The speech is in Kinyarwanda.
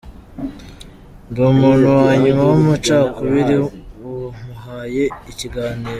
Ndi umuntu wa nyuma w'amacakubiri muhaye ikiganiro.